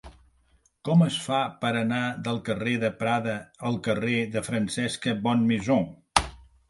Com es fa per anar del carrer de Prada al carrer de Francesca Bonnemaison?